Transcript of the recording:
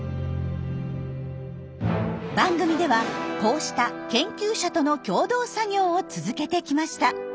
番組ではこうした研究者との共同作業を続けてきました。